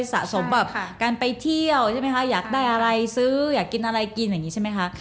สะสมแบบการไปเที่ยวใช่ไหมคะอยากได้อะไรซื้ออยากกินอะไรกินอย่างนี้ใช่ไหมคะ